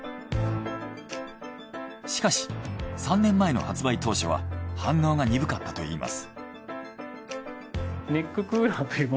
しかし３年前の発売当初は反応がにぶかったといいます。